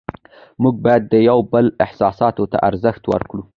موږ باید د یو بل احساساتو ته ارزښت ورکړو